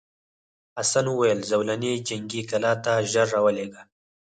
حسن وویل زولنې جنګي کلا ته ژر راولېږه.